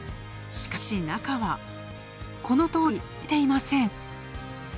しかし中は、このとおり、焼けていません。